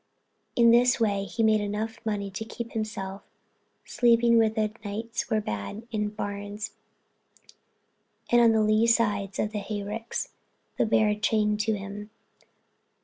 In this way he made enough money to keep himself, sleeping when the nights were bad, in barns and on the lee side of hayricks, the bear chained to him.